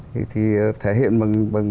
thì thì thể hiện bằng